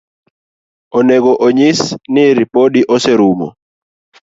Onego onyis ni ripodi oserumo